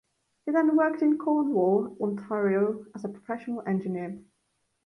He then worked in Cornwall, Ontario as a professional engineer.